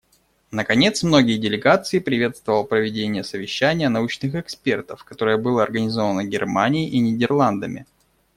Наконец, многие делегации приветствовал проведение совещания научных экспертов, которое было организовано Германией и Нидерландами.